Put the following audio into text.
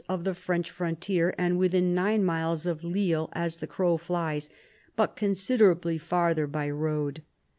of the French frontier, and within 9 miles of Lille as the crow flies, but considerably farther by road.